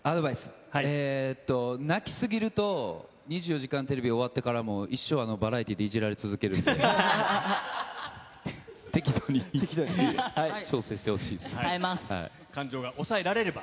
えーと、泣きすぎると、２４時間テレビ終わってからも、一生バラエティーでいじられ続けるんで、適当に、感情が抑えられれば。